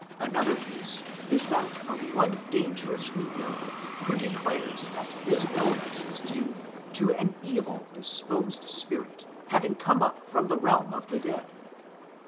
Another case is that of one danger ously ill who declares that his illness is due to an evil disposed spirit having come up from the realm of the dead.